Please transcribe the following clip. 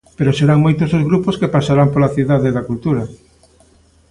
Pero serán moitos os grupos que pasarán pola Cidade da Cultura.